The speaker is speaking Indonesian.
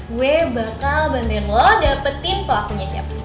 gue bakal banten lo dapetin pelakunya siapa